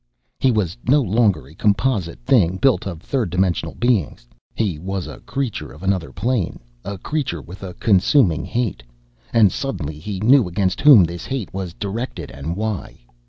He was no longer a composite thing built of third dimensional beings. He was a creature of another plane, a creature with a consuming hate, and suddenly he knew against whom this hate was directed and why.